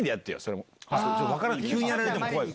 急にやられても怖い。